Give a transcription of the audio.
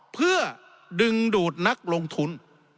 เพื่อดึงดูดนักลงทุน